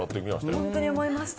本当に思いました。